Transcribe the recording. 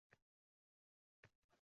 Bunday deyishimning sababini – biling.